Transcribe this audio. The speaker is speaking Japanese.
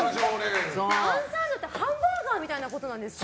あんサンドってハンバーガーみたいなことなんですか。